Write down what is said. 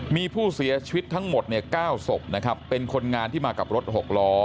มีผู้เสียชีวิตทั้งหมดเนี่ย๙ศพนะครับเป็นคนงานที่มากับรถ๖ล้อ